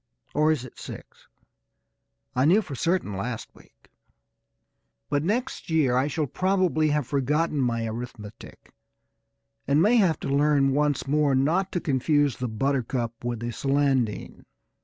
(Or is it six? I knew for certain last week.) But next year I shall probably have forgotten my arithmetic, and may have to learn once more not to confuse the buttercup with the celandine.